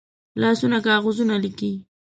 لاسونه کاغذونه لیکي